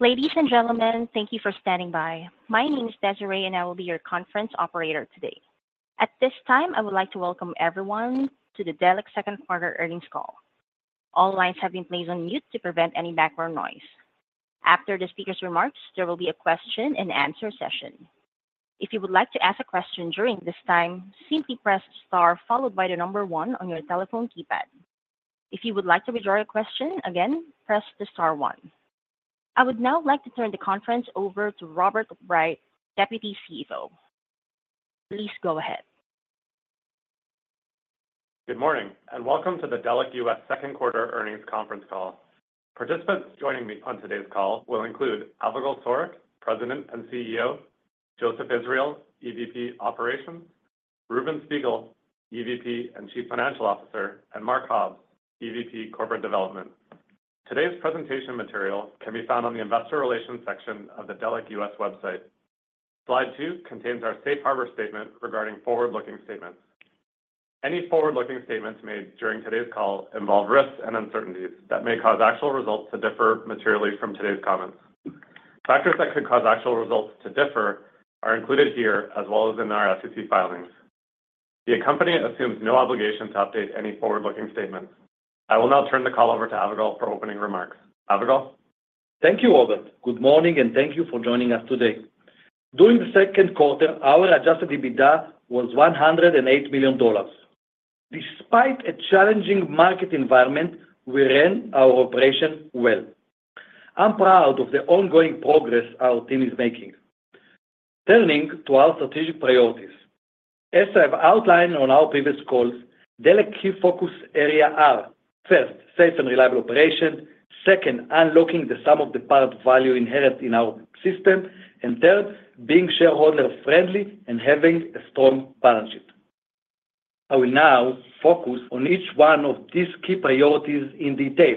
Ladies and gentlemen, thank you for standing by. My name is Desiree, and I will be your conference operator today. At this time, I would like to welcome everyone to the Delek second quarter earnings call. All lines have been placed on mute to prevent any background noise. After the speaker's remarks, there will be a question and answer session. If you would like to ask a question during this time, simply press Star followed by the number one on your telephone keypad. If you would like to withdraw your question, again, press the star one. I would now like to turn the conference over to Robert Wright, Deputy CEO. Please go ahead. Good morning, and welcome to the Delek US second quarter earnings conference call. Participants joining me on today's call will include Avigal Soreq, President and CEO, Joseph Israel, EVP Operations, Reuven Spiegel, EVP and Chief Financial Officer, and Mark Hobbs, EVP Corporate Development. Today's presentation material can be found on the investor relations section of the Delek US website. Slide two contains our safe harbor statement regarding forward-looking statements. Any forward-looking statements made during today's call involve risks and uncertainties that may cause actual results to differ materially from today's comments. Factors that could cause actual results to differ are included here, as well as in our SEC filings. The company assumes no obligation to update any forward-looking statements. I will now turn the call over to Avigal for opening remarks. Avigal? Thank you, Robert. Good morning, and thank you for joining us today. During the second quarter, our adjusted EBITDA was $108 million. Despite a challenging market environment, we ran our operation well. I'm proud of the ongoing progress our team is making. Turning to our strategic priorities. As I have outlined on our previous calls, Delek key focus area are: first, safe and reliable operation; second, unlocking the sum of the parts value inherent in our system; and third, being shareholder friendly and having a strong balance sheet. I will now focus on each one of these key priorities in detail.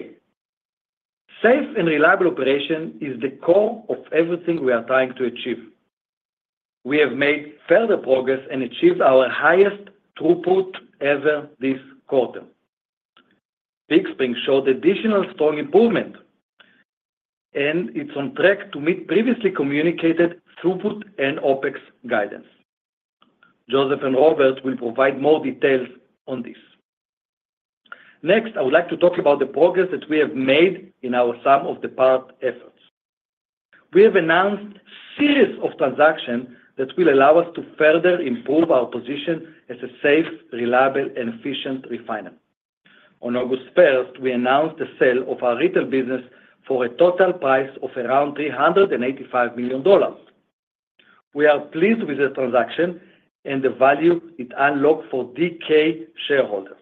Safe and reliable operation is the core of everything we are trying to achieve. We have made further progress and achieved our highest throughput ever this quarter. Big Spring showed additional strong improvement, and it's on track to meet previously communicated throughput and OpEx guidance. Joseph and Robert will provide more details on this. Next, I would like to talk about the progress that we have made in our sum-of-the-parts efforts. We have announced series of transactions that will allow us to further improve our position as a safe, reliable, and efficient refinery. On August first, we announced the sale of our retail business for a total price of around $385 million. We are pleased with the transaction and the value it unlocked for DK shareholders.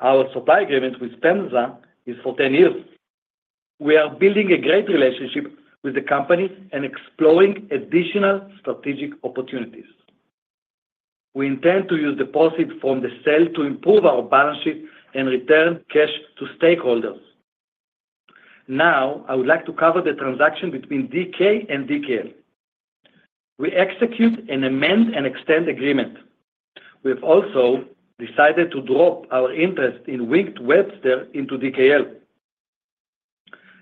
Our supply agreement with FEMSA is for 10 years. We are building a great relationship with the company and exploring additional strategic opportunities. We intend to use the profit from the sale to improve our balance sheet and return cash to stakeholders. Now, I would like to cover the transaction between DK and DKL. We execute an amend-and-extend agreement. We've also decided to drop our interest in Wink to Webster into DKL.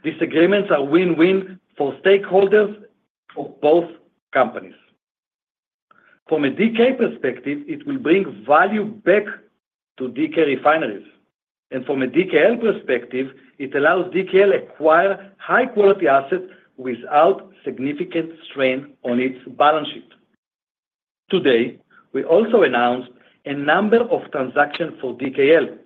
These agreements are win-win for stakeholders of both companies. From a DK perspective, it will bring value back to DK refineries, and from a DKL perspective, it allows DKL acquire high-quality assets without significant strain on its balance sheet. Today, we also announced a number of transactions for DKL.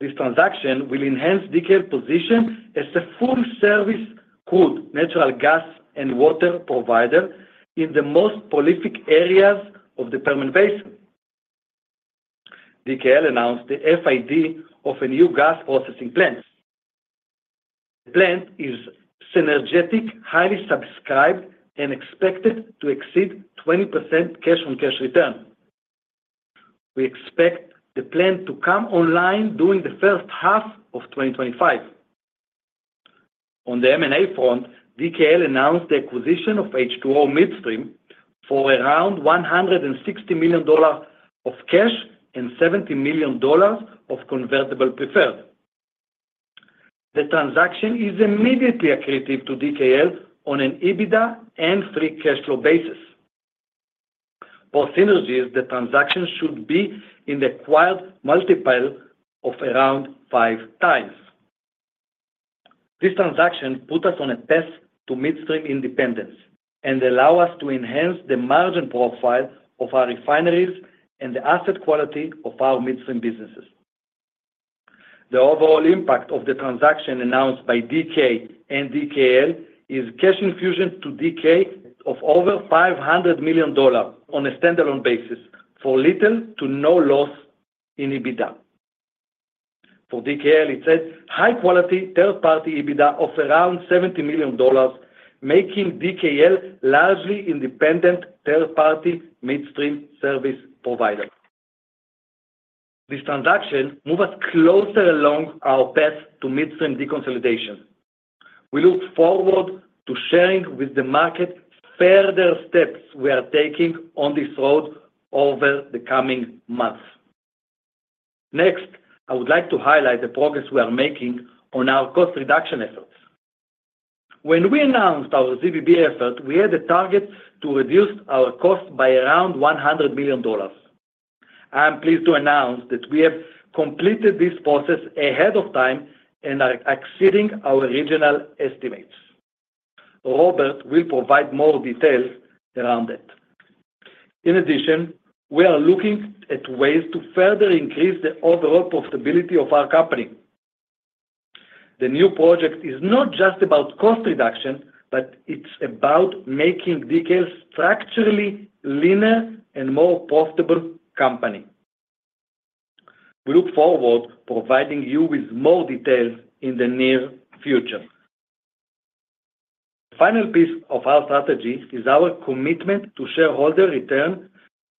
This transaction will enhance DKL position as the full service crude natural gas and water provider in the most prolific areas of the Permian Basin. DKL announced the FID of a new gas processing plant. The plant is synergistic, highly subscribed, and expected to exceed 20% cash-on-cash return. We expect the plant to come online during the first half of 2025. On the M&A front, DKL announced the acquisition of H2O Midstream for around $160 million of cash and $70 million of convertible preferred. The transaction is immediately accretive to DKL on an EBITDA and free cash flow basis. For synergies, the transaction should be in the implies a multiple of around 5x. This transaction put us on a path to midstream independence and allow us to enhance the margin profile of our refineries and the asset quality of our midstream businesses. The overall impact of the transaction announced by DK and DKL is cash infusion to DK of over $500 million on a standalone basis, for little to no loss in EBITDA. For DKL, it says high-quality third-party EBITDA of around $70 million, making DKL largely independent third-party midstream service provider. This transaction move us closer along our path to midstream deconsolidation. We look forward to sharing with the market further steps we are taking on this road over the coming months. Next, I would like to highlight the progress we are making on our cost reduction efforts. When we announced our ZBB effort, we had a target to reduce our cost by around $100 million. I am pleased to announce that we have completed this process ahead of time and are exceeding our original estimates. Robert will provide more details around it. In addition, we are looking at ways to further increase the overall profitability of our company. The new project is not just about cost reduction, but it's about making Delek structurally leaner and more profitable company. We look forward to providing you with more details in the near future. Final piece of our strategy is our commitment to shareholder return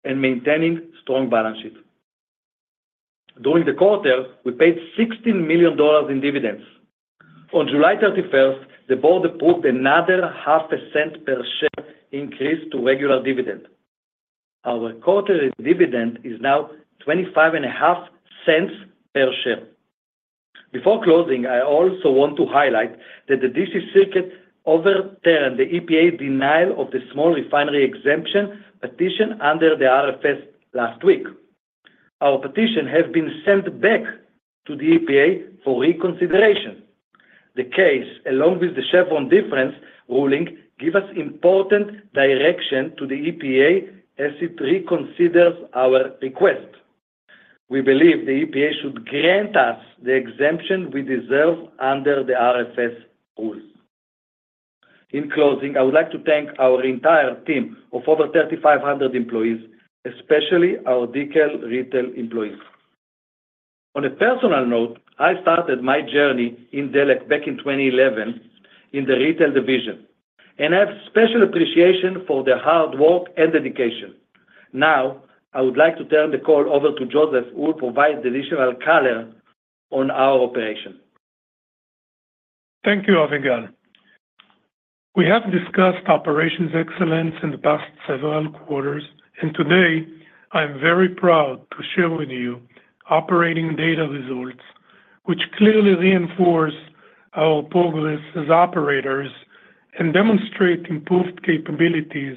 and maintaining strong balance sheet. During the quarter, we paid $16 million in dividends. On July 31st, the board approved another 0.5 cent per share increase to regular dividend. Our quarterly dividend is now 25.5 cents per share. Before closing, I also want to highlight that the D.C. Circuit overturned the EPA denial of the small refinery exemption petition under the RFS last week. Our petition has been sent back to the EPA for reconsideration. The case, along with the Chevron Deference ruling, give us important direction to the EPA as it reconsiders our request. We believe the EPA should grant us the exemption we deserve under the RFS rules. In closing, I would like to thank our entire team of over 3,500 employees, especially our Delek retail employees. On a personal note, I started my journey in Delek back in 2011 in the retail division, and I have special appreciation for their hard work and dedication. Now, I would like to turn the call over to Joseph, who will provide additional color on our operation. Thank you, Avigal. We have discussed operations excellence in the past several quarters, and today, I'm very proud to share with you operating data results, which clearly reinforce our progress as operators and demonstrate improved capabilities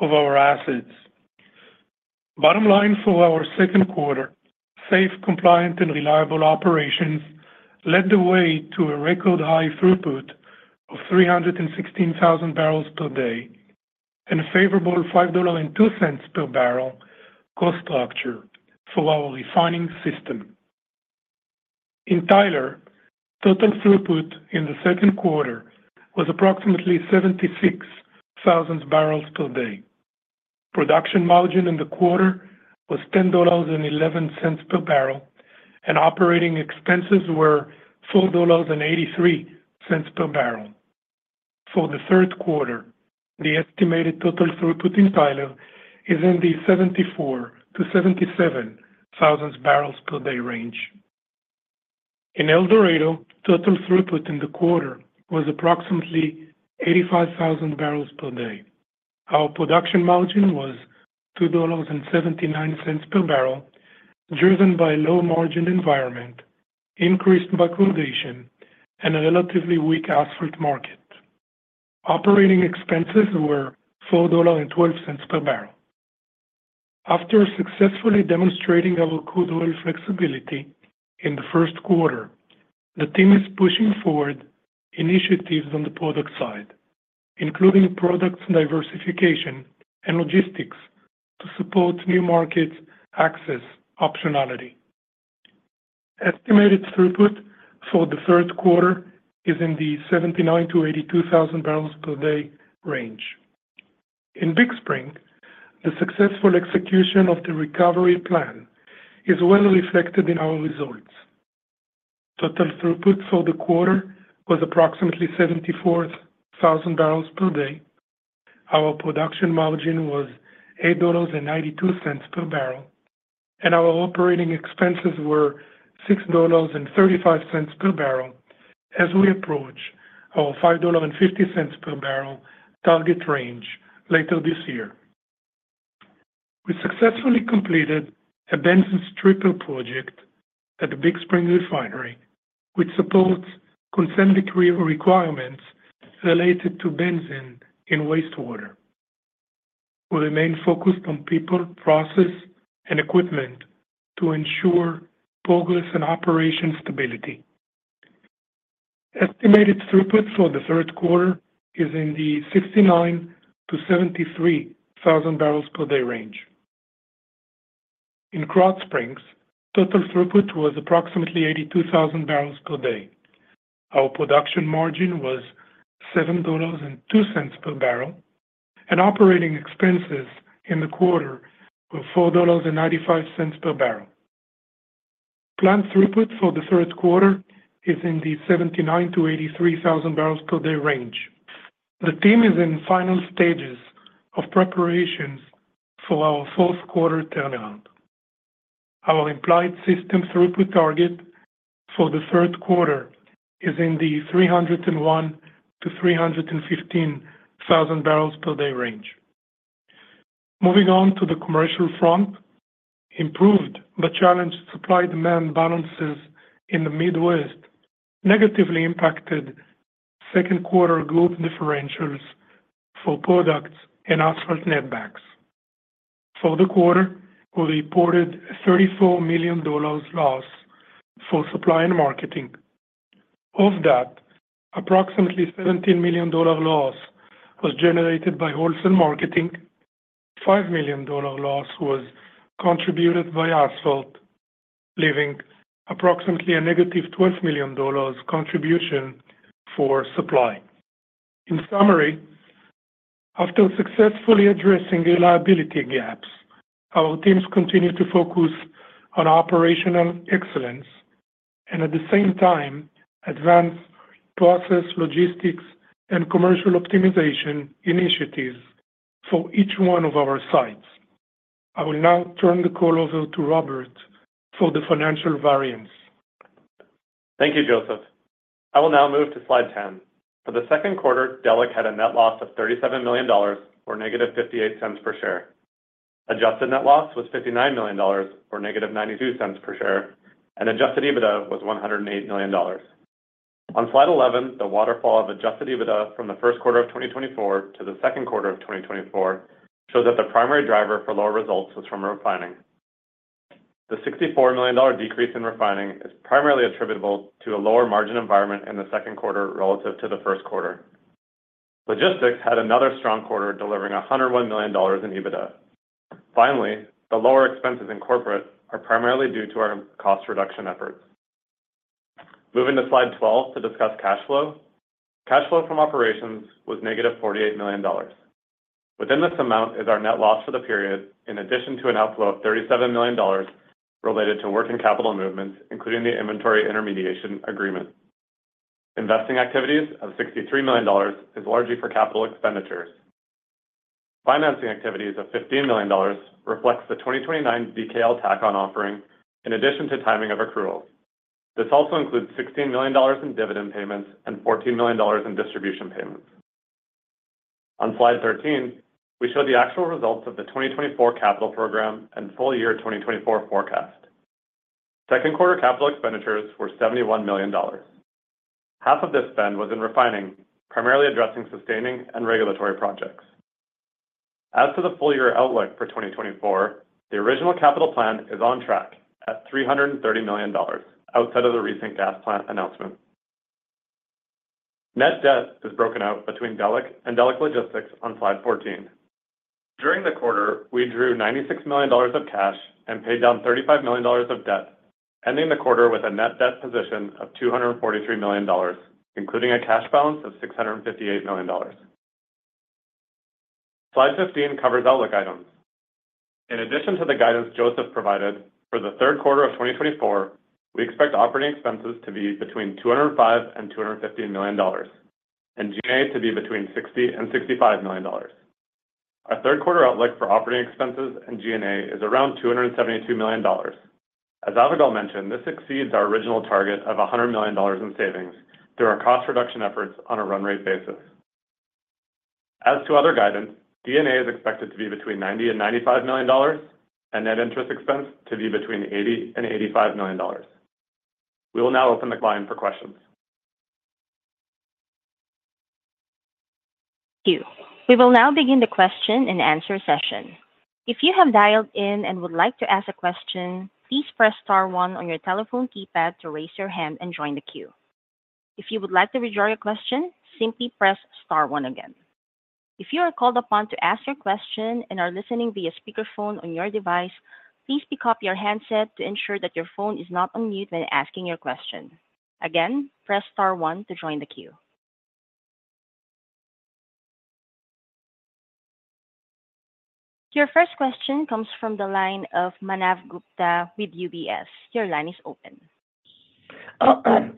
of our assets. Bottom line, for our second quarter, safe, compliant, and reliable operations led the way to a record-high throughput of 316,000 barrels per day, and a favorable $5.02 per barrel cost structure for our refining system. In Tyler, total throughput in the second quarter was approximately 76,000 barrels per day. Production margin in the quarter was $10.11 per barrel, and operating expenses were $4.83 per barrel. For the third quarter, the estimated total throughput in Tyler is in the 74,000-77,000 barrels per day range. In El Dorado, total throughput in the quarter was approximately 85,000 barrels per day. Our production margin was $2.79 per barrel, driven by low-margin environment, increased backwardation, and a relatively weak asphalt market. Operating expenses were $4.12 per barrel. After successfully demonstrating our crude oil flexibility in the first quarter, the team is pushing forward initiatives on the product side, including products diversification and logistics to support new markets access optionality. Estimated throughput for the third quarter is in the 79,000-82,000 barrels per day range. In Big Spring, the successful execution of the recovery plan is well reflected in our results. Total throughput for the quarter was approximately 74,000 barrels per day. Our production margin was $8.92 per barrel, and our operating expenses were $6.35 per barrel as we approach our $5.50 per barrel target range later this year. We successfully completed a benzene stripper project at the Big Spring refinery, which supports consent decree requirements related to benzene in wastewater. We remain focused on people, process, and equipment to ensure progress and operation stability. Estimated throughput for the third quarter is in the 69,000-73,000 barrels per day range. In Krotz Springs, total throughput was approximately 82,000 barrels per day. Our production margin was $7.02 per barrel, and operating expenses in the quarter were $4.95 per barrel. Planned throughput for the third quarter is in the 79,000-83,000 barrels per day range. The team is in final stages of preparations for our fourth quarter turnaround. Our implied system throughput target for the third quarter is in the 301,000-315,000 barrels per day range. ...Moving on to the commercial front, improved but challenged supply-demand balances in the Midwest negatively impacted second quarter group differentials for products and asphalt netbacks. For the quarter, we reported $34 million loss for supply and marketing. Of that, approximately $17 million loss was generated by wholesale marketing, $5 million loss was contributed by asphalt, leaving approximately a negative $12 million contribution for supply. In summary, after successfully addressing reliability gaps, our teams continue to focus on operational excellence and at the same time advance process, logistics, and commercial optimization initiatives for each one of our sites. I will now turn the call over to Robert for the financial variance. Thank you, Joseph. I will now move to slide 10. For the second quarter, Delek had a net loss of $37 million or -$0.58 per share. Adjusted net loss was $59 million, or -$0.92 per share, and adjusted EBITDA was $108 million. On slide 11, the waterfall of adjusted EBITDA from the first quarter of 2024 to the second quarter of 2024 shows that the primary driver for lower results was from refining. The $64 million decrease in refining is primarily attributable to a lower margin environment in the second quarter relative to the first quarter. Logistics had another strong quarter, delivering $101 million in EBITDA. Finally, the lower expenses in corporate are primarily due to our cost reduction efforts. Moving to slide 12 to discuss cash flow. Cash flow from operations was negative $48 million. Within this amount is our net loss for the period, in addition to an outflow of $37 million related to working capital movements, including the inventory intermediation agreement. Investing activities of $63 million is largely for capital expenditures. Financing activities of $15 million reflects the 2029 DKL tack-on offering in addition to timing of accrual. This also includes $16 million in dividend payments and $14 million in distribution payments. On slide 13, we show the actual results of the 2024 capital program and full year 2024 forecast. Second quarter capital expenditures were $71 million. Half of this spend was in refining, primarily addressing sustaining and regulatory projects. As to the full year outlook for 2024, the original capital plan is on track at $330 million, outside of the recent gas plant announcement. Net debt is broken out between Delek and Delek Logistics on slide 14. During the quarter, we drew $96 million of cash and paid down $35 million of debt, ending the quarter with a net debt position of $243 million, including a cash balance of $658 million. Slide 15 covers outlook items. In addition to the guidance Joseph provided, for the third quarter of 2024, we expect operating expenses to be between $205 million and $250 million, and G&A to be between $60 million and $65 million. Our third quarter outlook for operating expenses and G&A is around $272 million. As Avigal mentioned, this exceeds our original target of $100 million in savings through our cost reduction efforts on a run rate basis. As to other guidance, G&A is expected to be between $90-$95 million, and net interest expense to be between $80-$85 million. We will now open the line for questions. Thank you. We will now begin the question and answer session. If you have dialed in and would like to ask a question, please press star one on your telephone keypad to raise your hand and join the queue. If you would like to withdraw your question, simply press star one again. If you are called upon to ask your question and are listening via speakerphone on your device, please pick up your handset to ensure that your phone is not on mute when asking your question. Again, press star one to join the queue. Your first question comes from the line of Manav Gupta with UBS. Your line is open.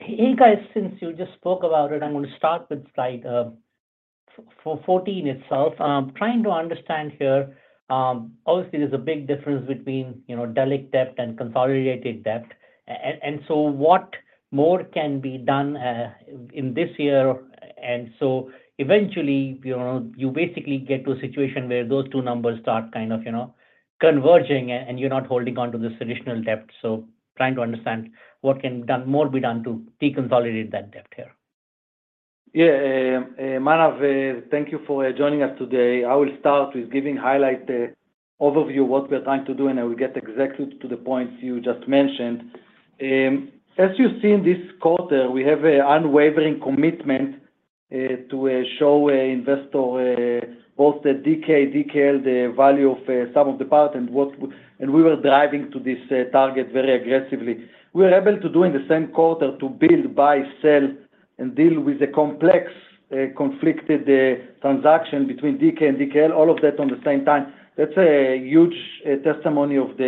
Hey, guys, since you just spoke about it, I'm going to start with slide 414 itself. Trying to understand here, obviously, there's a big difference between, you know, Delek debt and consolidated debt. And so what more can be done in this year? And so eventually, you know, you basically get to a situation where those two numbers start kind of, you know, converging, and you're not holding on to this additional debt. So trying to understand what more can be done to deconsolidate that debt here. Yeah, Manav, thank you for joining us today. I will start with giving highlight the overview, what we're trying to do, and I will get exactly to the points you just mentioned. As you see in this quarter, we have an unwavering commitment to show investor both the DK, DKL, the value of some of the parts and what we and we were driving to this target very aggressively. We are able to do in the same quarter to build, buy, sell, and deal with the complex conflicted transaction between DK and DKL, all of that on the same time. That's a huge testimony of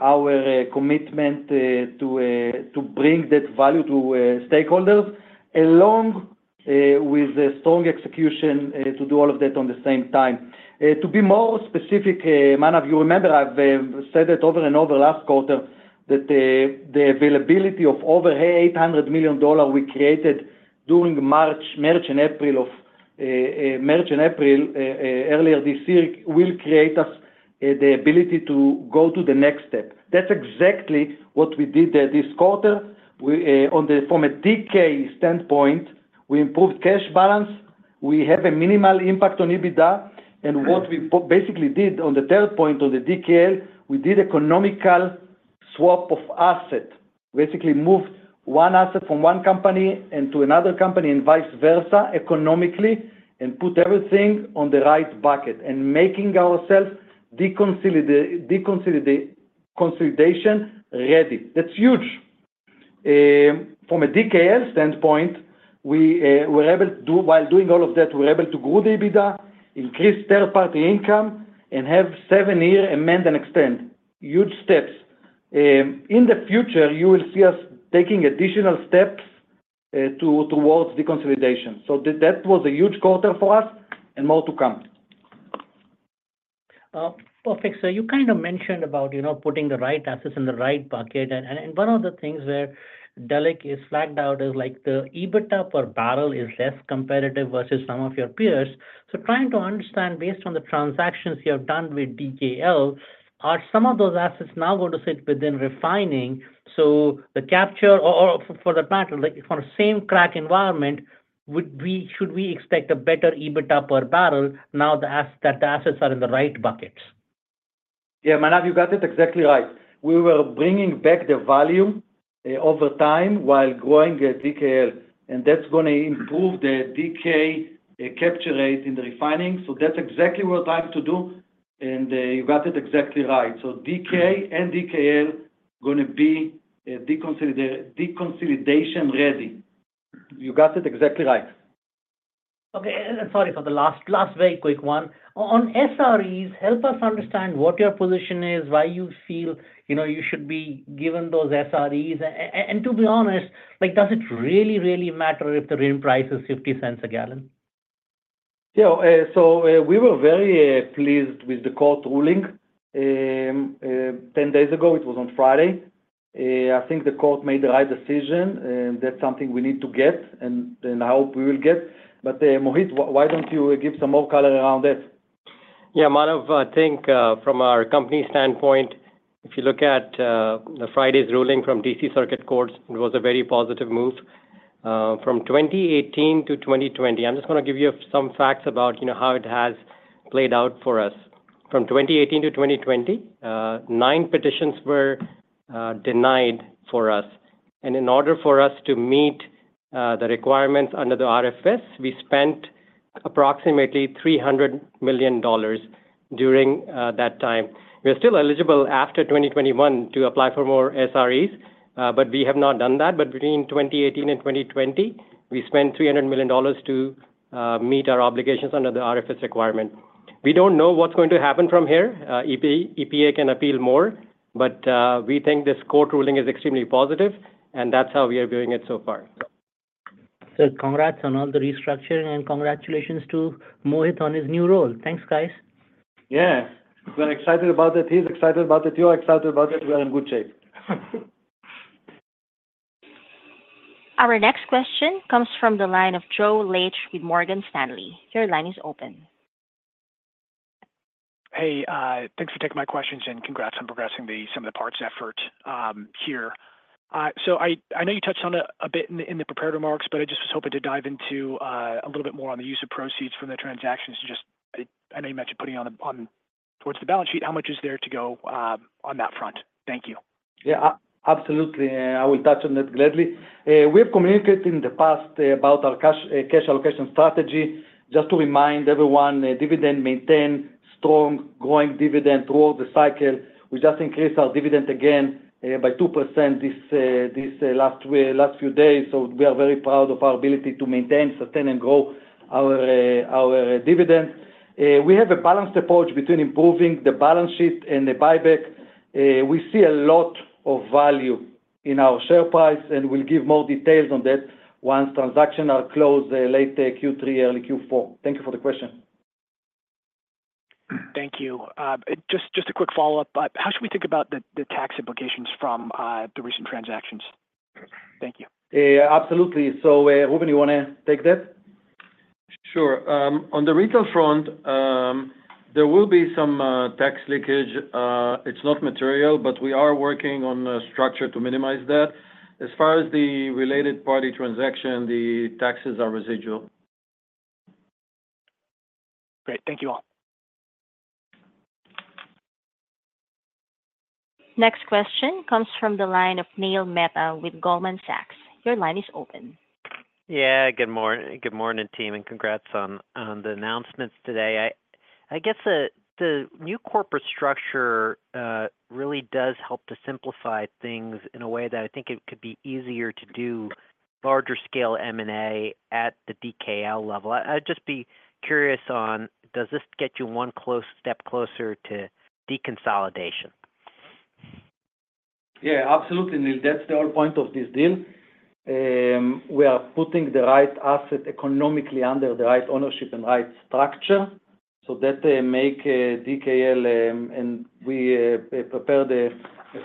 our commitment to bring that value to stakeholders, along with the strong execution to do all of that on the same time. To be more specific, Manav, you remember I've said it over and over last quarter, that the availability of over $800 million dollars we created-... during March and April earlier this year will create us the ability to go to the next step. That's exactly what we did there this quarter. From a DK standpoint, we improved cash balance, we have a minimal impact on EBITDA, and what we basically did on the third point, on the DKL, we did economical swap of asset. Basically moved one asset from one company into another company, and vice versa, economically, and put everything on the right bucket, and making ourselves deconsolidation-ready. That's huge. From a DKL standpoint, we were able to, while doing all of that, we were able to grow the EBITDA, increase third-party income, and have seven-year amend and extend. Huge steps. In the future, you will see us taking additional steps to towards deconsolidation. So that was a huge quarter for us, and more to come. Perfect. So you kind of mentioned about, you know, putting the right assets in the right bucket, and one of the things where Delek is flagged out is, like, the EBITDA per barrel is less competitive versus some of your peers. So trying to understand, based on the transactions you have done with DKL, are some of those assets now going to sit within refining so the capture... Or, for the matter, like, from a same crack environment, would we, should we expect a better EBITDA per barrel now that the assets are in the right buckets? Yeah, Manav, you got it exactly right. We were bringing back the volume over time while growing the DKL, and that's gonna improve the DK capture rate in the refining. So that's exactly what we're trying to do, and you got it exactly right. So DK and DKL gonna be deconsolidate, deconsolidation ready. You got it exactly right. Okay, sorry for the last, last very quick one. On SREs, help us understand what your position is, why you feel, you know, you should be given those SREs. And to be honest, like, does it really, really matter if the RIN price is $0.50 a gallon? Yeah, so we were very pleased with the court ruling, 10 days ago. It was on Friday. I think the court made the right decision, and that's something we need to get, and I hope we will get. But, Mohit, why don't you give some more color around that? Yeah, Manav, I think, from our company standpoint, if you look at the Friday's ruling from D.C. Circuit Court, it was a very positive move. From 2018 to 2020, I'm just gonna give you some facts about, you know, how it has played out for us. From 2018 to 2020, 9 petitions were denied for us, and in order for us to meet the requirements under the RFS, we spent approximately $300 million during that time. We're still eligible after 2021 to apply for more SREs, but we have not done that. But between 2018 and 2020, we spent $300 million to meet our obligations under the RFS requirement. We don't know what's going to happen from here. EPA can appeal more, but we think this court ruling is extremely positive, and that's how we are viewing it so far. So congrats on all the restructuring, and congratulations to Mohit on his new role. Thanks, guys. Yeah, we're excited about it. He's excited about it, you're excited about it, we're in good shape. Our next question comes from the line of Joe Laetsch with Morgan Stanley. Your line is open. Hey, thanks for taking my questions, and congrats on progressing the sum of the parts effort here. So I know you touched on it a bit in the prepared remarks, but I just was hoping to dive into a little bit more on the use of proceeds from the transactions. Just, I know you mentioned putting on the, on towards the balance sheet. How much is there to go on that front? Thank you. Yeah, absolutely, I will touch on that gladly. We have communicated in the past about our cash allocation strategy. Just to remind everyone, dividend maintain, strong growing dividend throughout the cycle. We just increased our dividend again by 2% this last few days, so we are very proud of our ability to maintain, sustain, and grow our dividend. We have a balanced approach between improving the balance sheet and the buyback. We see a lot of value in our share price, and we'll give more details on that once transaction are closed late Q3, early Q4. Thank you for the question. Thank you. Just, just a quick follow-up. How should we think about the, the tax implications from the recent transactions? Thank you. Absolutely. So, Reuven, you wanna take that? Sure. On the retail front, there will be some tax leakage. It's not material, but we are working on a structure to minimize that. As far as the related party transaction, the taxes are residual. Great. Thank you all. Next question comes from the line of Neil Mehta with Goldman Sachs. Your line is open. Yeah, good morning, team, and congrats on the announcements today. I guess the new corporate structure really does help to simplify things in a way that I think it could be easier to do larger scale M&A at the DKL level. I'd just be curious on, does this get you one step closer to deconsolidation? Yeah, absolutely, Neil. That's the whole point of this deal. We are putting the right asset economically under the right ownership and right structure. So that makes DKL, and we prepared a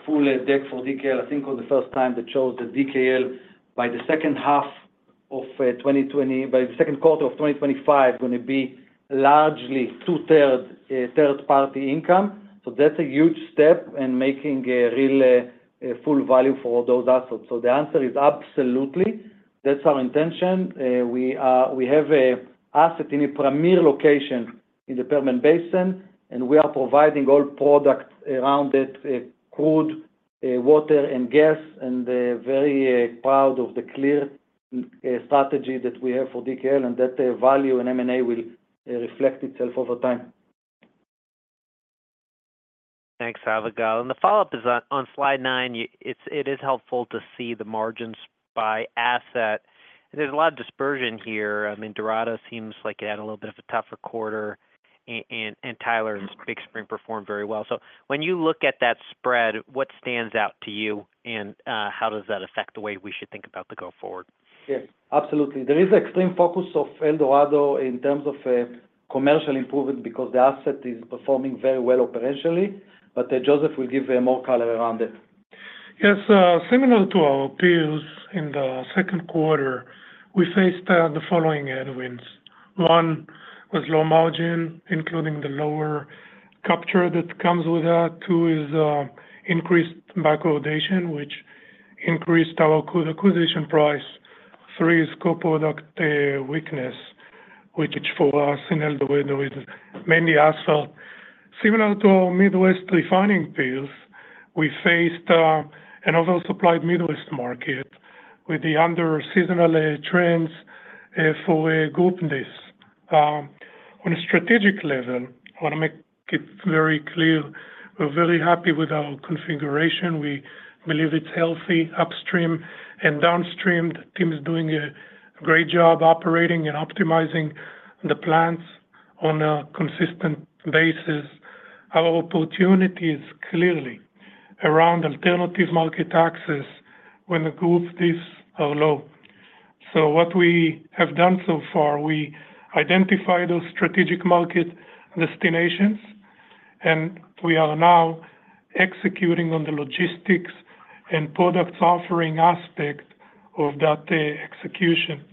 full deck for DKL, I think, for the first time, that shows the DKL by the second quarter of 2025 gonna be largely two-thirds third-party income. So that's a huge step in making a real full value for those assets. So the answer is absolutely, that's our intention. We have an asset in a premier location in the Permian Basin, and we are providing all products around it, crude, water, and gas, and very proud of the clear strategy that we have for DKL, and that the value in M&A will reflect itself over time. Thanks, Avigal. The follow-up is on slide nine. It is helpful to see the margins by asset. There's a lot of dispersion here. I mean, El Dorado seems like it had a little bit of a tougher quarter, and Tyler's Big Spring performed very well. So when you look at that spread, what stands out to you, and how does that affect the way we should think about the go forward? Yes, absolutely. There is extreme focus of El Dorado in terms of, commercial improvement because the asset is performing very well operationally, but, Joseph will give, more color around it. Yes, similar to our peers in the second quarter, we faced the following headwinds. One, was low margin, including the lower capture that comes with that. Two is increased backwardation, which increased our acquisition price. Three is co-product weakness, which for us in El Dorado is mainly asphalt. Similar to Midwest refining peers, we faced an oversupplied Midwest market with the under seasonal trends for openness. On a strategic level, I wanna make it very clear, we're very happy with our configuration. We believe it's healthy upstream and downstream. The team is doing a great job operating and optimizing the plants on a consistent basis. Our opportunity is clearly around alternative market access when the group deals are low. So what we have done so far, we identified those strategic market destinations, and we are now executing on the logistics and products offering aspect of that execution.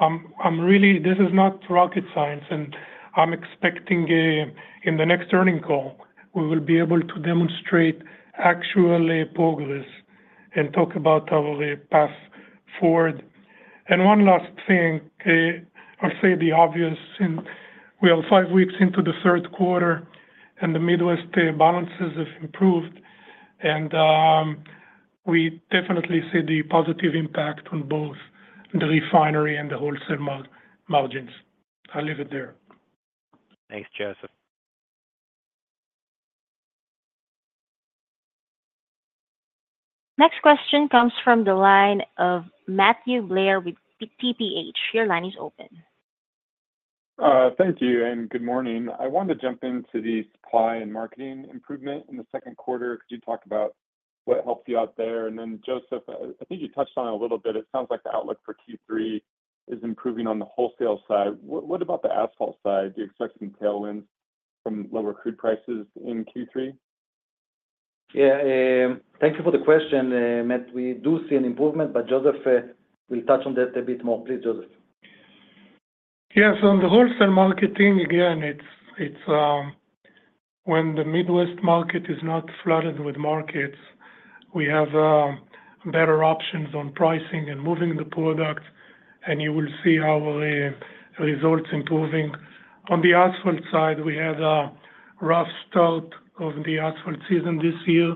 I'm really. This is not rocket science, and I'm expecting in the next earnings call, we will be able to demonstrate actual progress and talk about our path forward. And one last thing, I'll say the obvious, and we are five weeks into the third quarter, and the Midwest balances have improved, and we definitely see the positive impact on both the refinery and the wholesale margins. I'll leave it there. Thanks, Joseph. Next question comes from the line of Matthew Blair with TPH. Your line is open. Thank you and good morning. I wanted to jump into the supply and marketing improvement in the second quarter. Could you talk about what helped you out there? And then, Joseph, I think you touched on it a little bit. It sounds like the outlook for Q3 is improving on the wholesale side. What about the asphalt side? Do you expect some tailwinds from lower crude prices in Q3? Yeah, thank you for the question, Matt. We do see an improvement, but Joseph will touch on that a bit more. Please, Joseph. Yes, on the wholesale marketing, again, it's when the Midwest market is not flooded with markets, we have better options on pricing and moving the product, and you will see our results improving. On the asphalt side, we had a rough start of the asphalt season this year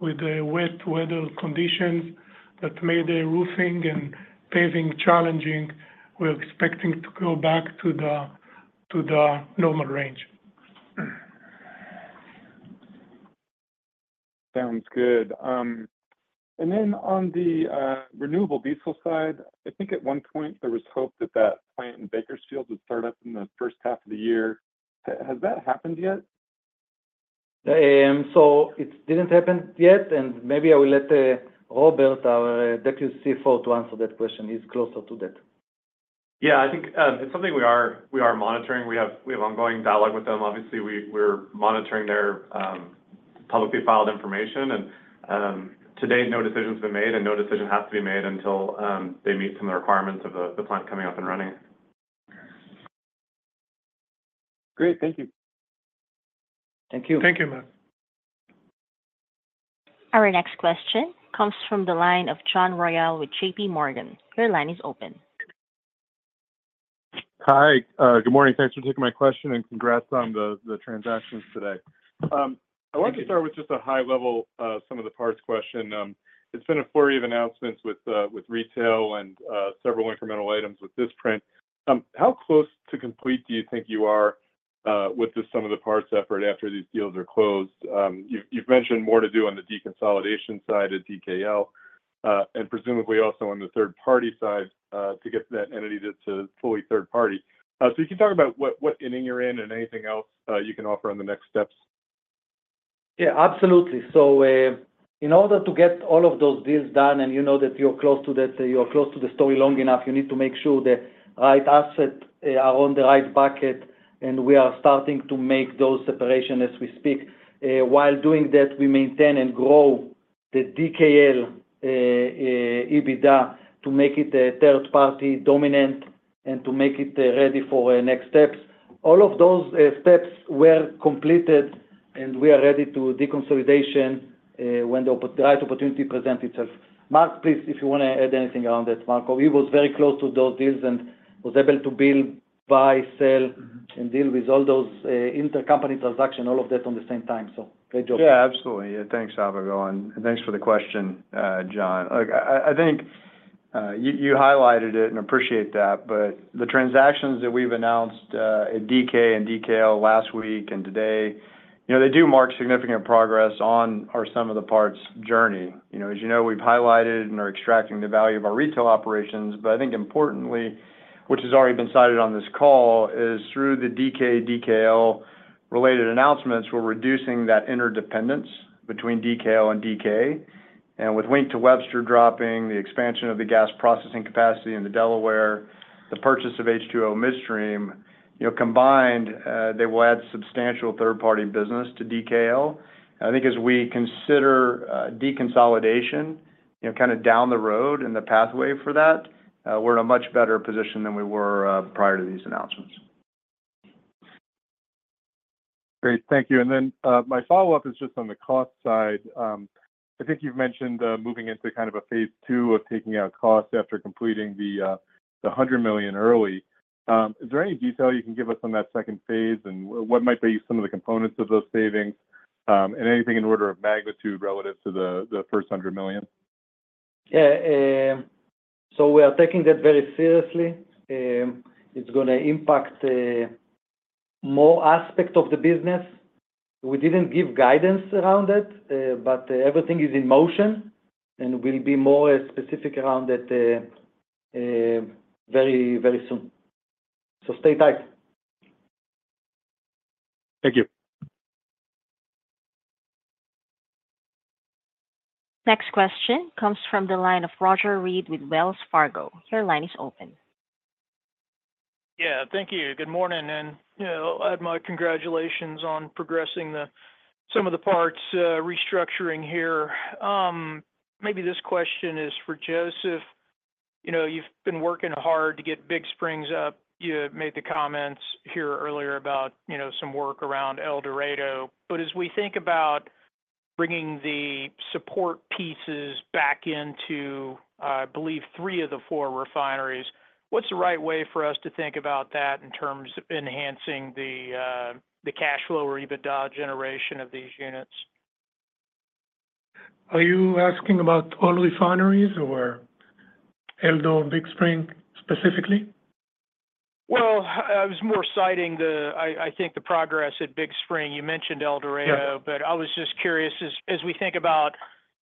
with the wet weather conditions that made the roofing and paving challenging. We're expecting to go back to the normal range. Sounds good. And then on the renewable diesel side, I think at one point there was hope that that plant in Bakersfield would start up in the first half of the year. Has that happened yet? So it didn't happen yet, and maybe I will let Robert, our deputy CFO, to answer that question. He's closer to that. Yeah, I think it's something we are monitoring. We have ongoing dialogue with them. Obviously, we're monitoring their publicly filed information, and to date, no decision's been made, and no decision has to be made until they meet some of the requirements of the plant coming up and running. Great. Thank you. Thank you. Thank you, Matt. Our next question comes from the line of John Royall with J.P. Morgan. Your line is open. Hi, good morning. Thanks for taking my question, and congrats on the transactions today. Thank you. I want to start with just a high-level, sum-of-the-parts question. It's been a flurry of announcements with retail and several incremental items with this print. How close to complete do you think you are with the sum-of-the-parts effort after these deals are closed? You've mentioned more to do on the deconsolidation side at DKL, and presumably also on the third-party side to get to that entity that's a fully third party. So can you talk about what inning you're in and anything else you can offer on the next steps?... Yeah, absolutely. So, in order to get all of those deals done, and you know that you're close to that, you're close to the story long enough, you need to make sure the right assets are on the right bucket, and we are starting to make those separation as we speak. While doing that, we maintain and grow the DKL EBITDA to make it a third-party dominant and to make it ready for next steps. All of those steps were completed, and we are ready to deconsolidation when the right opportunity presents itself. Mark, please, if you wanna add anything around that. Mark, he was very close to those deals and was able to build, buy, sell, and deal with all those intercompany transaction, all of that on the same time. So great job. Yeah, absolutely. Thanks, Avigal, and thanks for the question, John. Look, I think you highlighted it, and I appreciate that, but the transactions that we've announced at DK and DKL last week and today, you know, they do mark significant progress on our sum-of-the-parts journey. You know, as you know, we've highlighted and are extracting the value of our retail operations, but I think importantly, which has already been cited on this call, is through the DK-DKL related announcements, we're reducing that interdependence between DKL and DK. And with Wink to Webster dropping, the expansion of the gas processing capacity in the Delaware, the purchase of H2O Midstream, you know, combined, they will add substantial third-party business to DKL. I think as we consider deconsolidation, you know, kind of down the road and the pathway for that, we're in a much better position than we were prior to these announcements. Great. Thank you. And then, my follow-up is just on the cost side. I think you've mentioned moving into kind of a phase two of taking out costs after completing the $100 million early. Is there any detail you can give us on that second phase, and what might be some of the components of those savings? And anything in order of magnitude relative to the first $100 million? Yeah, so we are taking that very seriously. It's gonna impact more aspect of the business. We didn't give guidance around it, but everything is in motion, and we'll be more specific around that very, very soon. So stay tight. Thank you. Next question comes from the line of Roger Read with Wells Fargo. Your line is open. Yeah, thank you. Good morning, and, you know, I'll add my congratulations on progressing the Sum of the Parts restructuring here. Maybe this question is for Joseph. You know, you've been working hard to get Big Spring up. You made the comments here earlier about, you know, some work around El Dorado. But as we think about bringing the support pieces back into, I believe three of the four refineries, what's the right way for us to think about that in terms of enhancing the, the cash flow or EBITDA generation of these units? Are you asking about all refineries or El Dorado and Big Spring, specifically? Well, I was more citing the-- I, I think the progress at Big Spring. You mentioned El Dorado- Yeah. I was just curious, as we think about,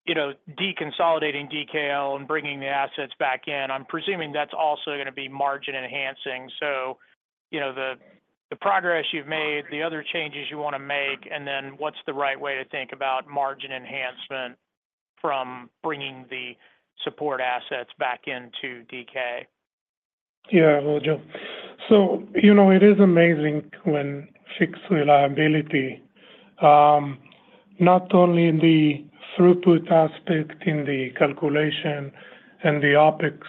you know, deconsolidating DKL and bringing the assets back in, I'm presuming that's also gonna be margin-enhancing. So, you know, the progress you've made, the other changes you wanna make, and then what's the right way to think about margin enhancement from bringing the support assets back into DK? Yeah, Roger. So, you know, it is amazing when fixed reliability, not only in the throughput aspect, in the calculation and the OpEx,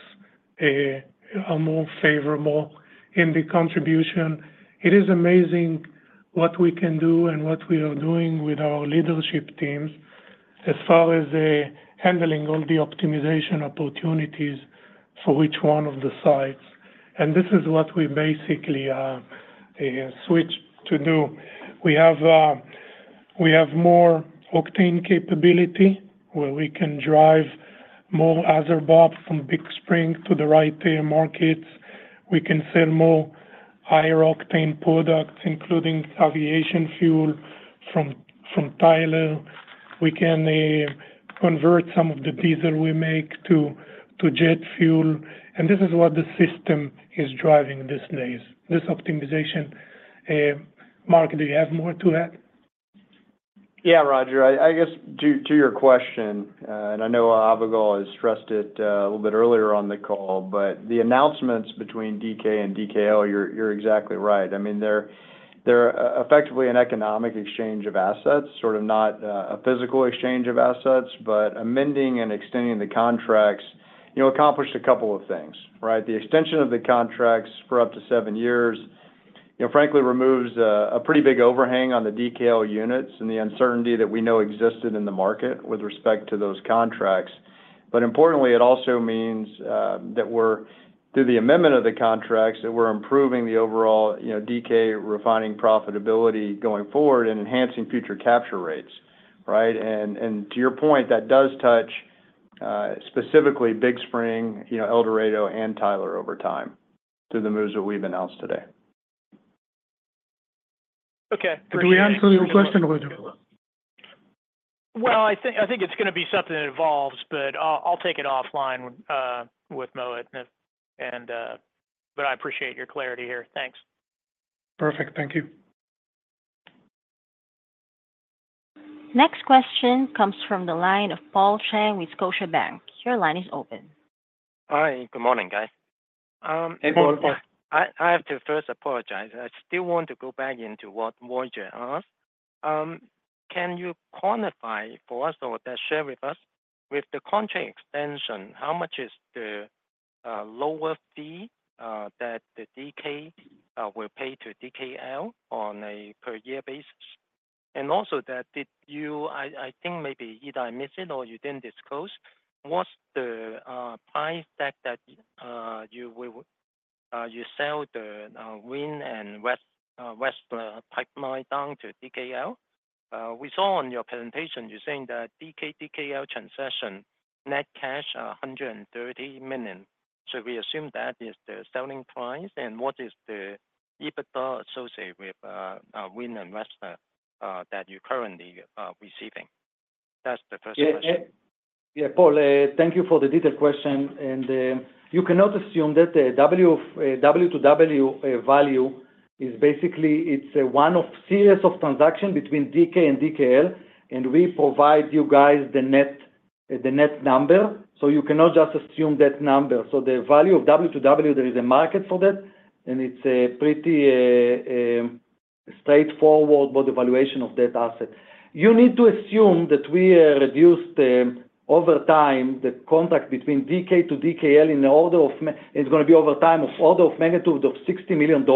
are more favorable in the contribution. It is amazing what we can do and what we are doing with our leadership teams as far as, handling all the optimization opportunities for each one of the sites. And this is what we basically, switch to do. We have, we have more octane capability, where we can drive more RBOB from Big Spring to the right pay markets. We can sell more higher octane products, including aviation fuel from Tyler. We can, convert some of the diesel we make to jet fuel, and this is what the system is driving these days, this optimization. Mark, do you have more to add? Yeah, Roger, I guess to your question, and I know Avigal has stressed it a little bit earlier on the call, but the announcements between DK and DKL, you're exactly right. I mean, they're effectively an economic exchange of assets, sort of not a physical exchange of assets, but amending and extending the contracts, you know, accomplished a couple of things, right? The extension of the contracts for up to seven years, you know, frankly, removes a pretty big overhang on the DKL units and the uncertainty that we know existed in the market with respect to those contracts. But importantly, it also means that we're through the amendment of the contracts, that we're improving the overall, you know, DK refining profitability going forward and enhancing future capture rates, right? And to your point, that does touch specifically Big Spring, you know, El Dorado and Tyler over time, through the moves that we've announced today. Okay. Did we answer your question, Roger?... Well, I think, I think it's gonna be something that evolves, but I'll, I'll take it offline with, with Mohit. And, but I appreciate your clarity here. Thanks. Perfect. Thank you. Next question comes from the line of Paul Cheng with Scotiabank. Your line is open. Hi, good morning, guys. Hey, Paul. I have to first apologize. I still want to go back into what Roger asked. Can you quantify for us or just share with us, with the contract extension, how much is the lower fee that the DK will pay to DKL on a per year basis? And also that did you—I think maybe either I missed it or you didn't disclose, what's the price tag that you will you sell the Wink to Webster pipeline down to DKL? We saw on your presentation, you're saying that DK/DKL transition, net cash, $130 million. So we assume that is the selling price, and what is the EBITDA associated with Wink to Webster that you're currently receiving? That's the first question. Yeah, yeah. Yeah, Paul, thank you for the detailed question. And, you cannot assume that the Wink to Webster value is basically, it's one of series of transaction between DK and DKL, and we provide you guys the net, the net number, so you cannot just assume that number. So the value of Wink to Webster, there is a market for that, and it's a pretty straightforward about the valuation of that asset. You need to assume that we reduced over time, the contract between DK to DKL in the order of. It's gonna be over time, of order of magnitude of $60 million.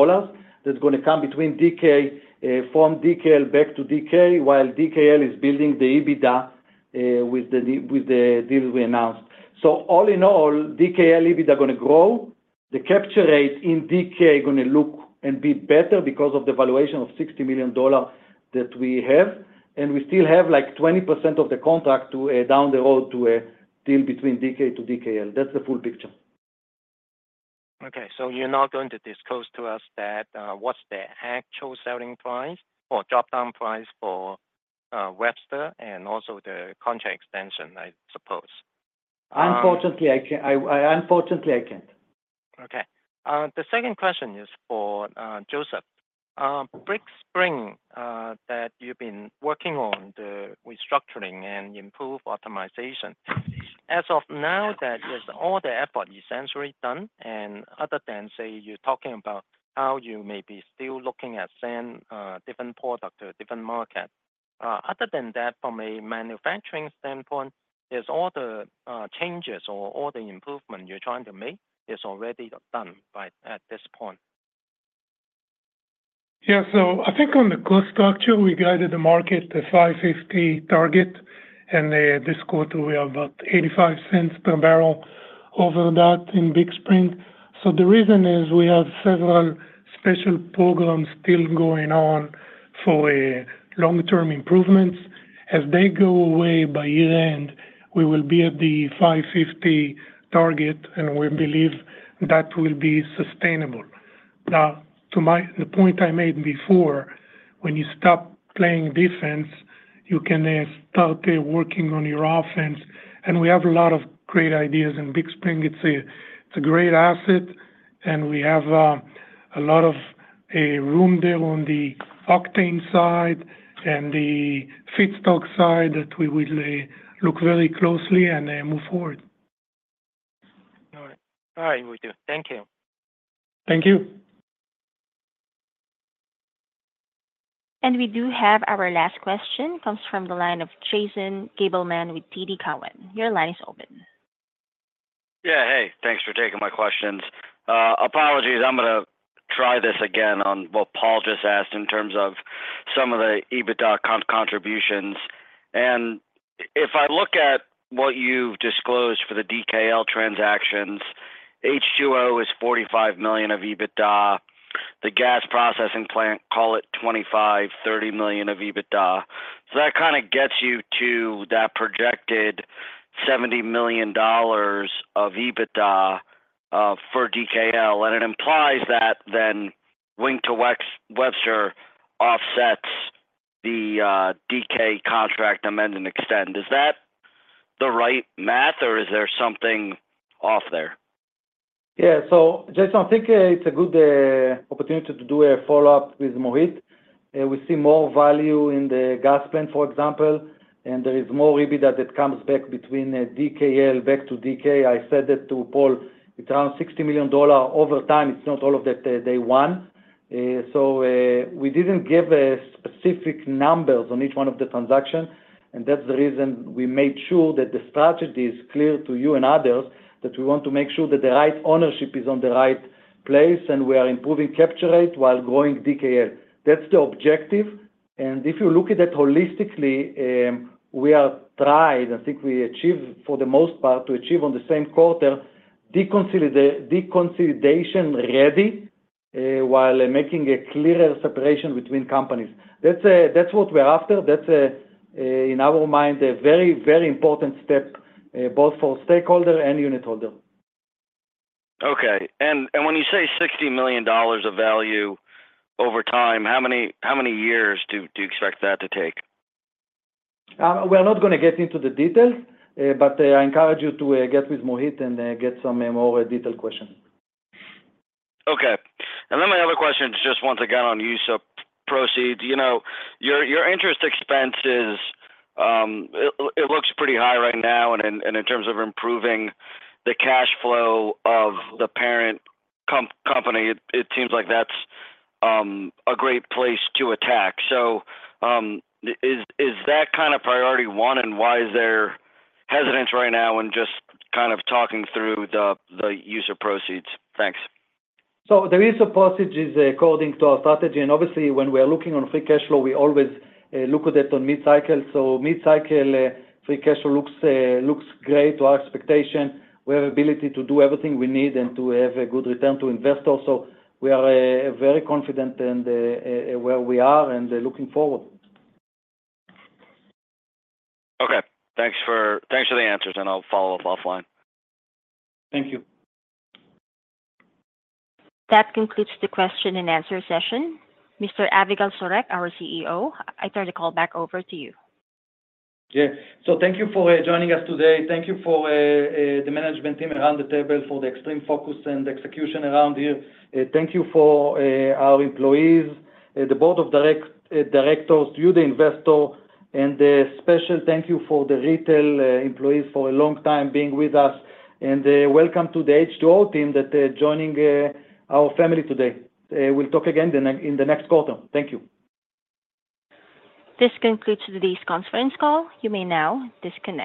That's gonna come between DK from DKL back to DK, while DKL is building the EBITDA with the deal we announced. So all in all, DKL EBITDA are gonna grow. The capture rate in DK are gonna look and be better because of the valuation of $60 million that we have, and we still have, like, 20% of the contract to down the road to a deal between DK to DKL. That's the full picture. Okay. So you're not going to disclose to us that, what's the actual selling price or drop-down price for Webster and also the contract extension, I suppose? Unfortunately, I can't. Unfortunately, I can't. Okay. The second question is for Joseph. Big Spring, that you've been working on the restructuring and improve optimization. As of now, that is all the effort essentially done, and other than, say, you're talking about how you may be still looking at selling different product to a different market. Other than that, from a manufacturing standpoint, is all the changes or all the improvement you're trying to make already done by at this point? Yeah. So I think on the cost structure, we guided the market to $5.50 target, and this quarter, we are about $0.85 per barrel over that in Big Spring. So the reason is we have several special programs still going on for a long-term improvements. As they go away by year-end, we will be at the $5.50 target, and we believe that will be sustainable. Now, to my, the point I made before, when you stop playing defense, you can start working on your offense, and we have a lot of great ideas, and Big Spring, it's a great asset, and we have a lot of room there on the octane side and the feedstock side that we will look very closely and move forward. All right. All right, we do. Thank you. Thank you. We do have our last question, comes from the line of Jason Gabelman with TD Cowen. Your line is open. Yeah, hey, thanks for taking my questions. Apologies, I'm gonna try this again on what Paul just asked in terms of some of the EBITDA contributions. And if I look at what you've disclosed for the DKL transactions, H2O is $45 million of EBITDA. The gas processing plant, call it $25-$30 million of EBITDA. So that kinda gets you to that projected $70 million of EBITDA for DKL, and it implies that then Wink to Webster offsets the DK contract amend and extend. Is that the right math, or is there something off there? Yeah. So, Jason, I think it's a good opportunity to do a follow-up with Mohit. We see more value in the gas plant, for example, and there is more EBITDA that comes back between DKL back to DK. I said that to Paul. It's around $60 million over time. It's not all of that day one. So, we didn't give specific numbers on each one of the transactions, and that's the reason we made sure that the strategy is clear to you and others, that we want to make sure that the right ownership is on the right place, and we are improving capture rate while growing DKL. That's the objective, and if you look at it holistically, we tried, I think we achieved for the most part, to achieve on the same quarter, deconsolidation ready, while making a clearer separation between companies. That's what we're after. That's, in our mind, a very, very important step, both for stakeholder and unitholder.... Okay, and when you say $60 million of value over time, how many years do you expect that to take? We are not going to get into the details, but I encourage you to get with Mohit and get some more detailed questions. Okay. And then my other question is just once again on use of proceeds. You know, your interest expenses, it looks pretty high right now, and in terms of improving the cash flow of the parent company, it seems like that's a great place to attack. So, is that kind of priority one, and why is there hesitance right now in just kind of talking through the use of proceeds? Thanks. So the use of proceeds is according to our strategy, and obviously, when we are looking on free cash flow, we always look at it on mid-cycle. So mid-cycle free cash flow looks great to our expectation. We have ability to do everything we need and to have a good return to invest also. We are very confident in the where we are, and looking forward. Okay. Thanks for the answers, and I'll follow up offline. Thank you. That concludes the question and answer session. Mr. Avigal Soreq, our CEO, I turn the call back over to you. Yeah. So thank you for joining us today. Thank you for the management team around the table for the extreme focus and execution around here. Thank you for our employees, the board of directors, you, the investor, and a special thank you for the retail employees for a long time being with us. And welcome to the H2O team that are joining our family today. We'll talk again in the next quarter. Thank you. This concludes today's conference call. You may now disconnect.